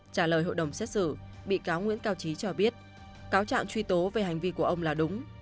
trả lời hội đồng xét xử bị cáo nguyễn cao trí cho biết cáo trạng truy tố về hành vi của ông là đúng